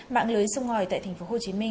mạng lưới sông ngòi tại tp hcm